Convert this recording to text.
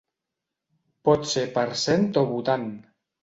Pot ser per cent o votant.